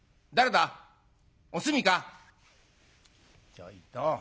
「ちょいと。